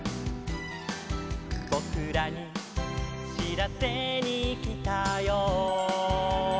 「ぼくらにしらせにきたよ」